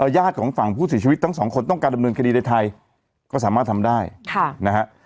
ญาติของฝั่งผู้เสียชีวิตทั้งสองคนต้องการดำเนินคดีในไทยก็สามารถทำได้ค่ะนะฮะ